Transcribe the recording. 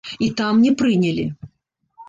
І там не прынялі.